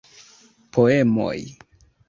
Poemoj.